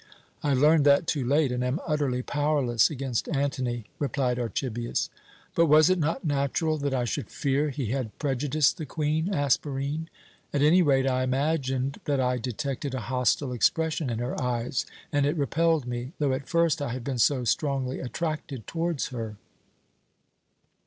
"I learned that too late, and am utterly powerless against Antony," replied Archibius. "But was it not natural that I should fear he had prejudiced the Queen?" asked Barine. "At any rate, I imagined that I detected a hostile expression in her eyes, and it repelled me, though at first I had been so strongly attracted towards her."